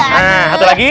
nah satu lagi